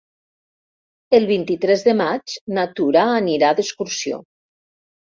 El vint-i-tres de maig na Tura anirà d'excursió.